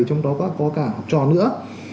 trong đó có cả học trò nữa